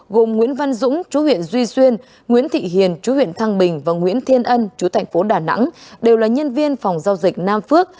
gồm nguyễn văn dũng chú huyện duy xuyên nguyễn thị hiền chú huyện thăng bình và nguyễn thiên ân chú thành phố đà nẵng đều là nhân viên phòng giao dịch nam phước